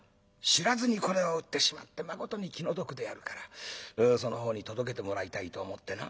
知らずにこれを売ってしまってまことに気の毒であるからそのほうに届けてもらいたいと思ってな」。